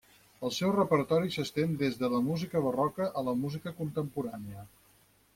El seu repertori s'estén des de la música barroca a la música contemporània.